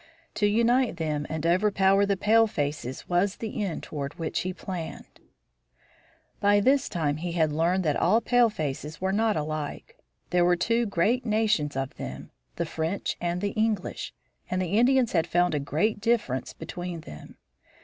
To unite them and overpower the palefaces was the end toward which he planned. By this time he had learned that all palefaces were not alike. There were two great nations of them, the French and the English, and the Indians had found a great difference between them.